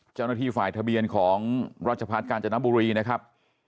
เจ้าหน้าที่ฝ่ายทะเบียนของราชพัฒน์กาญจนบุรีนะครับ